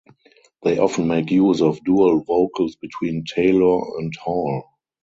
They often make use of dual vocals between Taylor and Hall.